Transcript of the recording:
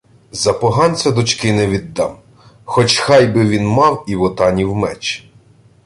— За поганця дочки не віддам, хоч хай би він мав і Вотанів меч.